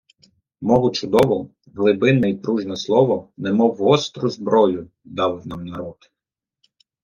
Мову чудову, глибинне і пружне слово, немов гостру зброю, дав нам народ